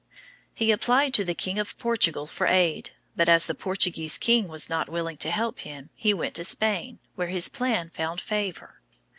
] He applied to the King of Portugal for aid; but as the Portuguese king was not willing to help him, he went to Spain, where his plan found favor.